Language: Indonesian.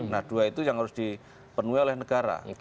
nah dua itu yang harus dipenuhi oleh negara